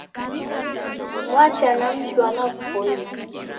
Mwacha na mzwana ghupoi